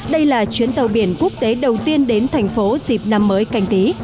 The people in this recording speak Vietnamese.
đây là chuyến tàu biển quốc tế đầu tiên đến thành phố dịp năm mới canh tí